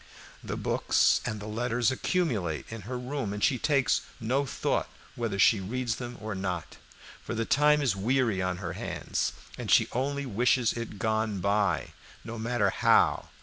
The books and the letters accumulate in her room, and she takes no thought whether she reads them or not, for the time is weary on her hands and she only wishes it gone, no matter how.